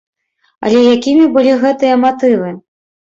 Але якімі былі гэтыя матывы?